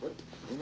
何？